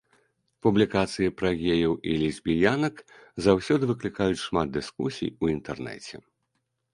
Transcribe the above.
Публікацыі пра геяў і лесбіянак заўсёды выклікаюць шмат дыскусій у інтэрнэце.